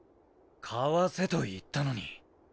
かわせと言ったのに。